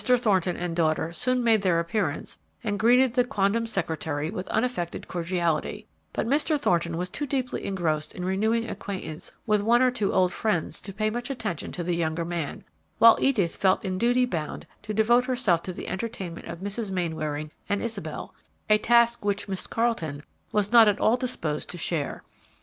Thornton and daughter soon made their appearance and greeted the quondam secretary with unaffected cordiality, but Mr. Thornton was too deeply engrossed in renewing acquaintance with one or two old friends to pay much attention to the younger man, while Edith felt in duty bound to devote herself to the entertainment of Mrs. Mainwaring and Isabel, a task which Miss Carleton was not at all disposed to share.